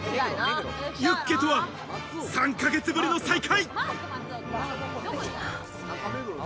ユッケとは３ヶ月ぶりの再会。